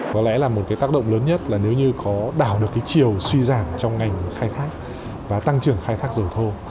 có lẽ là một cái tác động lớn nhất là nếu như có đảo được cái chiều suy giảm trong ngành khai thác và tăng trưởng khai thác dầu thô